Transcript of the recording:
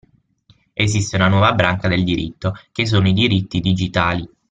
Esiste una nuova branca del diritto che sono i diritti digitali.